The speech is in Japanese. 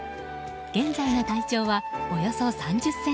現在の体長はおよそ３０ｃｍ。